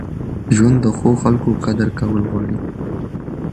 ژوند د ښو خلکو قدر کول غواړي.